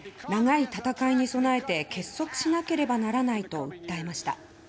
長い戦いに備えて結束しなければならないと訴えました。